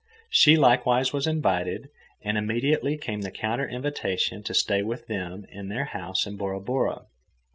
She likewise was invited, and immediately came the counter invitation to stay with them in their house in Born Bora.